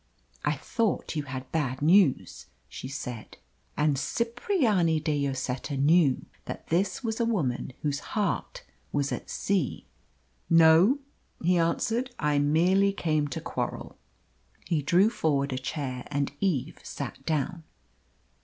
"I thought you had bad news," she said. And Cipriani de Lloseta knew that this was a woman whose heart was at sea. "No," he answered; "I merely came to quarrel." He drew forward a chair, and Eve sat down.